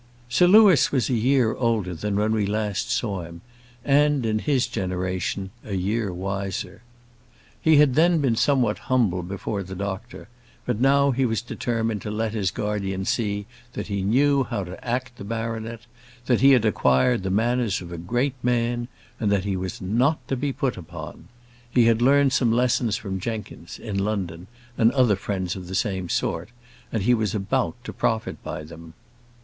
Sir Louis was a year older than when we last saw him, and, in his generation, a year wiser. He had then been somewhat humble before the doctor; but now he was determined to let his guardian see that he knew how to act the baronet; that he had acquired the manners of a great man; and that he was not to be put upon. He had learnt some lessons from Jenkins, in London, and other friends of the same sort, and he was about to profit by them.